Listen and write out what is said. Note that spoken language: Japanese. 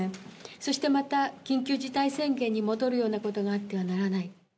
そしてまた緊急事態宣言に戻るようなことがあってはならない。